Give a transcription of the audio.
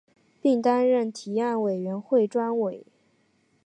并担任提案委员会专委。